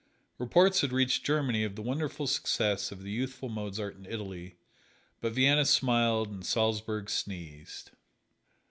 Reports had reached Germany of the wonderful success of the youthful Mozart in Italy, but Vienna smiled and Salzburg sneezed.